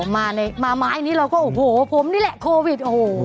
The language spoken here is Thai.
มาไม้นี้เราก็โอ้โหผมนี่แหละโควิด